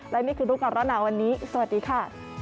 และนี่คือรู้ก่อนร้อนหนาวันนี้สวัสดีค่ะ